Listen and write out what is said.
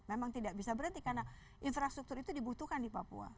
memang tidak bisa berhenti karena infrastruktur itu dibutuhkan di papua